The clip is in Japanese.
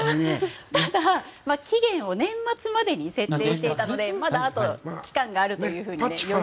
ただ、期限を年末までに設定していたのでまだあと期間があると。